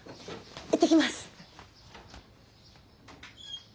行ってきます。